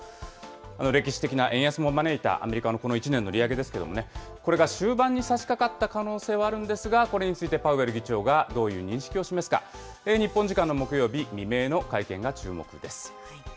歴史的な円安も招いたアメリカのこの１年の利上げですけれどもね、これが終盤にさしかかった可能性はあるんですが、これについてパウエル議長がどういう認識を示すか、日本時間の木曜日未明の会見が注目です。